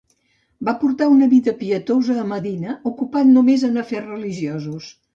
Va portar una vida pietosa a Medina ocupat només en afers religiosos.